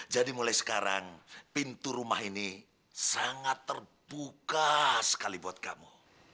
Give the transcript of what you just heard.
jadi mulai sekarang pintu rumah ini sangat terbuka sekali buat kamu